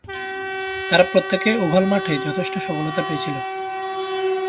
তারা প্রত্যেকেই ওভাল মাঠে যথেষ্ট সফলতা পেয়েছিলেন।